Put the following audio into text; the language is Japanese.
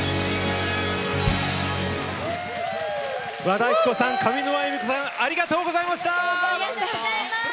和田アキ子さん上沼恵美子さんありがとうございました。